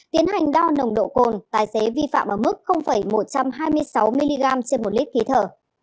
tiến hành đo nồng độ cồn tài xế vi phạm ở mức một trăm hai mươi sáu mg trên một lít khí thở